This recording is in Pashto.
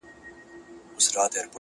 چوروندک سو، پاچهي سوه، فرمانونه؛